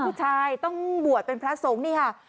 ผู้ชายต้องบวชเป็นพระสงฆ์นี่ค่ะ